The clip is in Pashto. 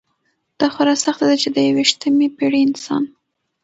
دا خورا سخته ده چې د یویشتمې پېړۍ انسان.